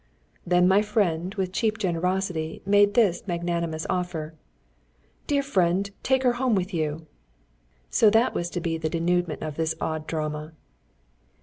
Then my friend, with cheap generosity, made this magnanimous offer: "Dear friend, take her home with you." So that was to be the dénouement of this odd drama!